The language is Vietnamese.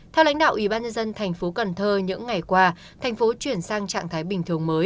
theo lãnh đạo ubnd tp cần thơ những ngày qua thành phố chuyển sang trạng thái bình thường mới